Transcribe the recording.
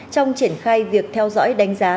trong triển khai việc theo dõi đánh giá